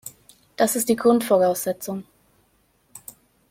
Das ist die Grundvoraussetzung.